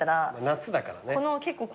夏だからね。